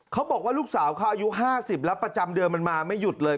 เขาบอกว่าลูกสาวเขาอายุ๕๐แล้วประจำเดือนมันมาไม่หยุดเลย